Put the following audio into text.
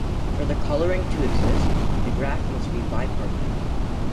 For the coloring to exist, the graph must be bipartite.